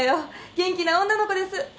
元気な女の子です。